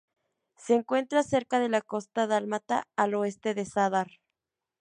Se encuentra cerca de la costa dálmata, al oeste de Zadar.